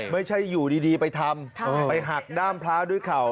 ไม่ใช่อยู่ดีไปทำไปหักด้ามพระด้วยเข่า